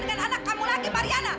dengan anak kamu laki mariana